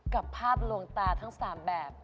กับภาพลวงตาทั้ง๓แบบ